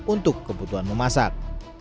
untuk kebutuhan memasak